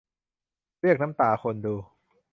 เรียกน้ำตาคนดู